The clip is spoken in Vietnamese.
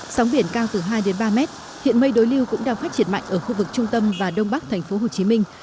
sóng biển cao từ hai đến ba mét hiện mây đối lưu cũng đang phát triển mạnh ở khu vực trung tâm và đông bắc thành phố hồ chí minh